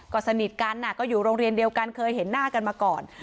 ก็สนิทกันก็อยู่โรงเรียนเดียวกันเคยเห็นหน้ากันมาก่อน